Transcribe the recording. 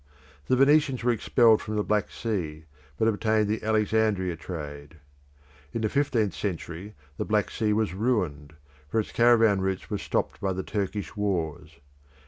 The Venetians were expelled from the Black Sea, but obtained the Alexandria trade. In the fifteenth century the Black Sea was ruined, for its caravan routes were stopped by the Turkish wars.